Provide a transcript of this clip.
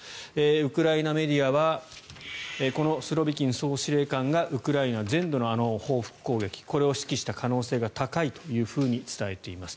ウクライナメディアはこのスロビキン総司令官がウクライナ全土のあの報復攻撃これを指揮した可能性が高いというふうに伝えています。